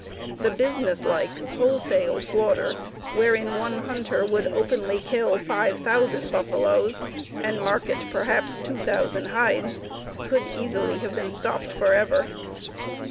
The business like, wholesale slaughter, wherein one hunter would openly kill five thousand buffaloes and market perhaps two thousand hides, could easily have been stopped forever.